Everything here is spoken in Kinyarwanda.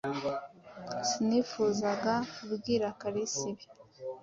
Sinifuzaga kubwira Kalisa ibi.